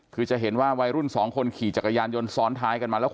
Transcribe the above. คือจะเห็นว่าวัยรุ่น๒คนขี่จักรยานยนต์ซ้อนท้ายกันมาแล้ว